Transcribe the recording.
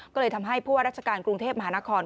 ก็เลยทำให้ผู้ว่าราชการกรุงเทพมหานคร